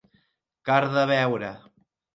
Car de veure.